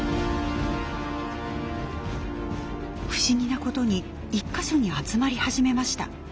不思議なことに１か所に集まり始めました。